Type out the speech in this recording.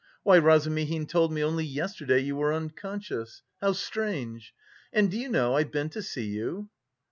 "Why, Razumihin told me only yesterday you were unconscious. How strange! And do you know I've been to see you?"